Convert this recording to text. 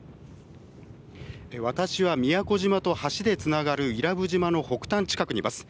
私は宮古島と橋でつながる伊良部島の北端近くにます。